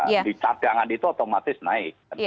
di cadangan itu otomatis naik